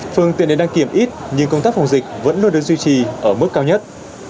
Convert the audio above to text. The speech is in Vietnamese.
phương tiện đến đăng kiểm ít nhưng công tác phòng dịch vẫn luôn được duy trì ở mức cao nhất